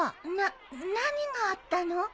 なっ何があったの？